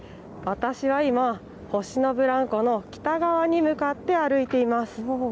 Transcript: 私は今、星のブランコの北側に向かって歩いています。